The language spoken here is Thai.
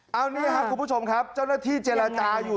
เอานี่ครับคุณผู้ชมครับเจ้าหน้าที่เจรจาอยู่